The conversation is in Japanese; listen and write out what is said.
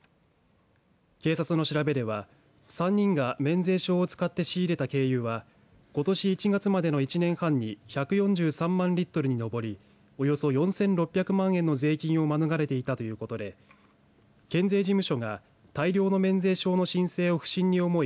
警察の調べでは３人が免税証を使って仕入れた軽油がことし１月までの１年半に１４３万リットルに上りおよそ４６００万円の税金を免れていたということで県税事務所が大量の免税証の申請を不審に思い